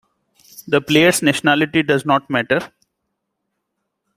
The player's nationality does not matter.